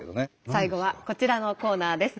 最後はこちらのコーナーです。